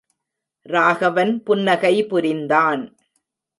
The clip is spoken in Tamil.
ராகவன் புன்னகை புரிந்தான்!